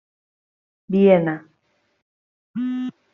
Viena.